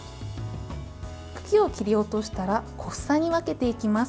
茎を切り落としたら小房に分けていきます。